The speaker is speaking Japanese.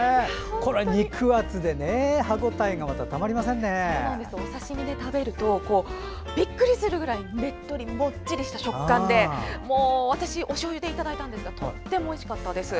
これ、肉厚でねお刺身で食べるとびっくりするぐらいねっとり、もっちりした食感で私、おしょうゆでいただいたんですがとってもおいしかったです。